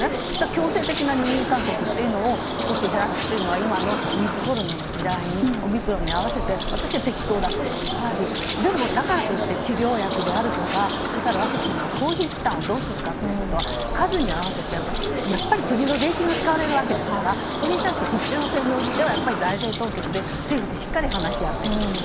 強制的な入院勧告を減らすというのは今のウィズコロナの時代にオミクロンに合わせて適当だと思いますしでも、だからといって治療薬であるとかワクチンの公費負担をどうするかということは数に合わせてやっぱり国の税金が使われるわけですからそれに対して必要に応じて財政当局に政府でしっかり話し合ってほしい。